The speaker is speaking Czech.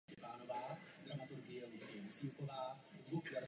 Růst je středně bujný.